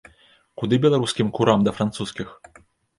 Куды беларускім курам да французскіх!